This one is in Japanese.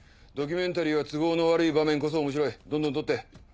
ドキュメンタリーは都合の悪い場面こそ面白いどんどん撮って。